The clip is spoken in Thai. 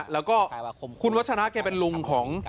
แล้วก็คุณวัชนะแกเป็นลุงของ